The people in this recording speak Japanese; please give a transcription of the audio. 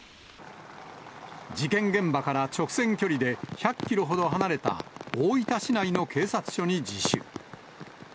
事件現場から直線距離で１００キロほど離れた大分市内の警察署に自首。